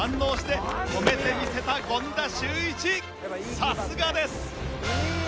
さすがです！